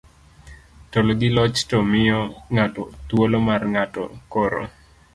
telo gi loch ti miyo ng'ato thuolo mar ng'ato koro